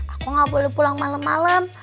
aku gak boleh pulang malem malem